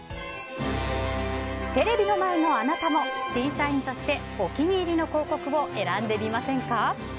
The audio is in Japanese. テレビの前のあなたも審査員としてお気に入りの広告を選んでみませんか？